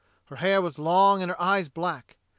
Her hair was long and her eyes black.